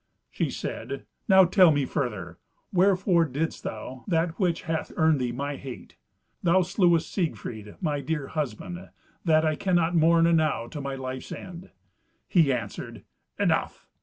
She said, "Now tell me further. Wherefore didst thou that which hath earned thee my hate? Thou slewest Siegfried, my dear husband, that I cannot mourn enow to my life's end." He answered, "Enough!